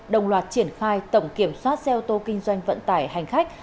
đồng loạt triển khai tổng kiểm soát xe ô tô kinh doanh vận tải hành khách